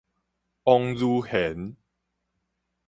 王如玄